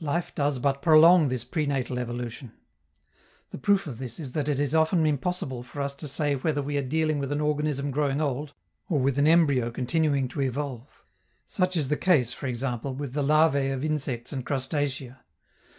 Life does but prolong this prenatal evolution. The proof of this is that it is often impossible for us to say whether we are dealing with an organism growing old or with an embryo continuing to evolve; such is the case, for example, with the larvae of insects and crustacea.